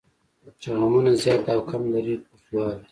چې غمونه زیات او کم لري اوږدوالی.